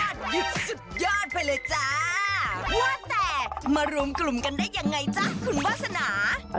ว่าแต่มารวมกลุ่มกันได้อย่างไรจ๊ะคุณวาสนา